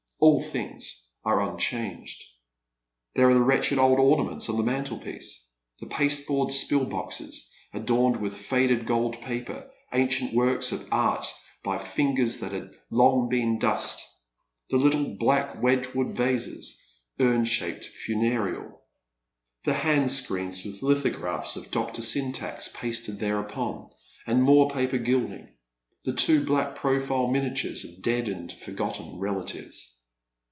All things are unchanged. There are the wretched old ornaments on the mantelpiece. The pasteboard spill boxes, adorned with faded gold paper, ancient works of art by fingers that have long been dust. The little black Wedgwood vases, urn shaped, funereaL The hand screens with lithographs of Dr. Syntax pasted there upon, and more paper gilding. The two black profile miniatures of dead and forgotten relatives.